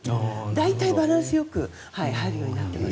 大体、バランスよく入るようになっています。